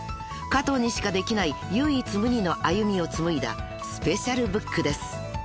［加藤にしかできない唯一無二の歩みを紡いだスペシャルブックです］